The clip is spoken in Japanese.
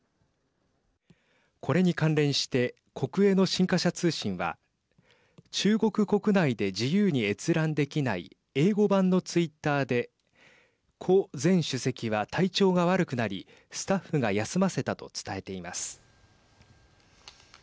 これに関連して国営の新華社通信は中国国内で自由に閲覧できない英語版のツイッターで胡前主席は体調が悪くなりスタッフが休ませたと伝えています。